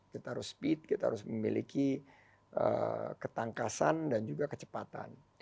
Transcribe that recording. kita harus speed kita harus memiliki ketangkasan dan juga kecepatan